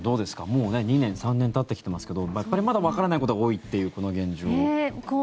もう２年、３年たってきていますけどやっぱりまだわからないことが多いっていうこの現状。